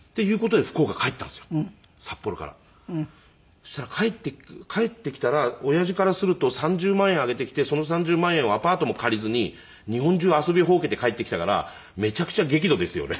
そしたら帰ってきたら親父からすると３０万円あげてきてその３０万円をアパートも借りずに日本中遊びほうけて帰ってきたからめちゃくちゃ激怒ですよね。